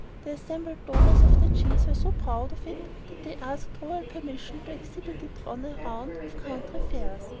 The assembled donors of the cheese were so proud of it that they asked royal permission to exhibit it on a round of country fairs.